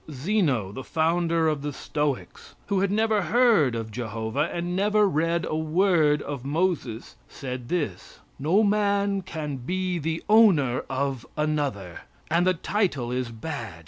Zeno, the founder of the stoics, who had never heard of Jehovah, and never read a word of Moses, said this: "No man can be the owner of another, and the title is bad.